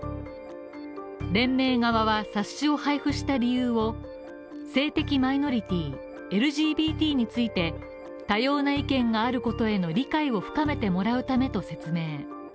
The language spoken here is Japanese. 連盟側は、冊子を配布した理由を性的マイノリティー＝ＬＧＢＴについて多様な意見があることへの理解を深めてもらうためと説明。